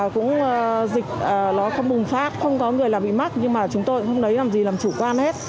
cũng dịch nó không bùng phát không có người là bị mắc nhưng mà chúng tôi không lấy làm gì làm chủ quan hết